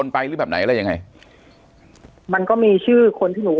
ปากกับภาคภูมิ